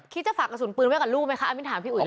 คิดจะฝากกระสุนปืนไว้กับลูกไหมคะเอาเป็นถามพี่อื่นแล้ว